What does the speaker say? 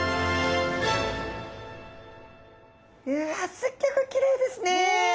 うわっすっギョくきれいですね！ね。